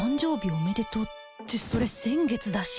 おめでとうってそれ先月だし